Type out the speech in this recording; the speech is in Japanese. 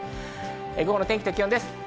午後の天気と気温です。